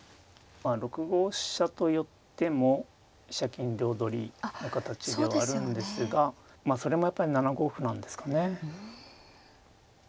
６五飛車と寄っても飛車金両取りの形ではあるんですがそれもやっぱり７五歩なんですかね。